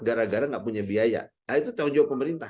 gara gara nggak punya biaya nah itu tanggung jawab pemerintah